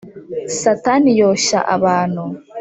Satani yoshya abantu